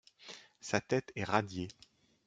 Sa tête est radiée.